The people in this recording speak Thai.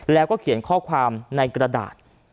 แล้วก็เขียนข้อความในกระดาษ